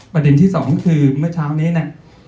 ประเด็นที่สองคือเมื่อเช้านี้นะ